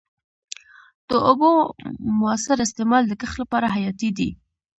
د اوبو موثر استعمال د کښت لپاره حیاتي دی.